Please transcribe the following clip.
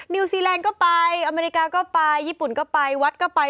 นิวซีแลนด์ก็ไปอเมริกาก็ไปญี่ปุ่นก็ไปวัดก็ไป